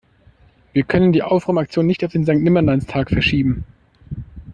Wir können die Aufräumaktion nicht auf den Sankt-Nimmerleins-Tag verschieben.